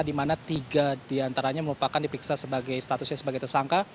di mana tiga diantaranya merupakan diperiksa sebagai statusnya sebagai tersangka